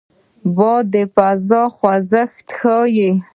باد د فضا خوځښت ښيي